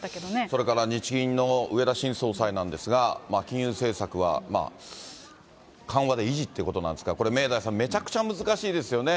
それから日銀の植田新総裁なんですが、金融政策はまあ、緩和で維持ってことなんですが、これ、明大さん、めちゃくちゃ難しいですよね。